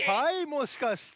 もしかして！